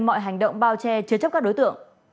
mọi hành động bao che chứa chấp các đối tượng